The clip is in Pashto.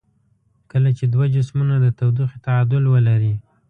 کله چې دوه جسمونه د تودوخې تعادل ولري.